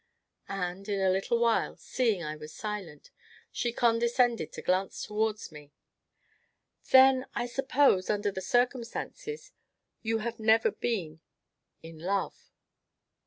And, in a little while, seeing I was silent, she condescended to glance towards me: "Then I suppose, under the circumstances, you have never been in love?"